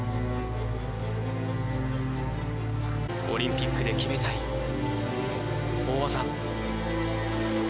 オリンピックで決めたい大技。